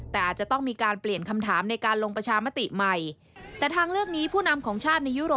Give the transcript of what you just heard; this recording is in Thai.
แต่อาจจะต้องมีการเปลี่ยนคำถามในการลงประชามาติใหม่